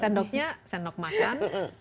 sendoknya sendok makan